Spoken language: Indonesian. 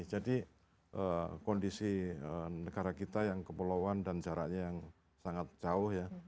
jadi kondisi negara kita yang kepulauan dan jaraknya yang sangat jauh ya